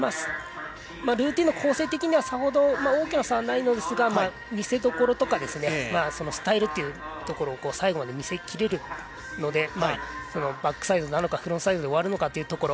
ルーティンの構成的にはさほど大きな差はないんですが見せどころとかスタイルというところを最後まで見せきれるのでバックサイドなのかフロントサイドで終わるのか。